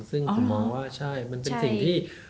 ซึ่งผมมองว่าใช่